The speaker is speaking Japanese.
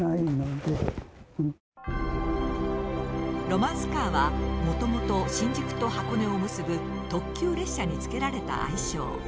ロマンスカーはもともと新宿と箱根を結ぶ特急列車に付けられた愛称。